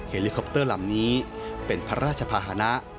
เลิคอปเตอร์ลำนี้เป็นพระราชภาษณะ